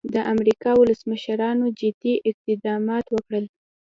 د امریکا ولسمشرانو جدي اقدامات وکړل.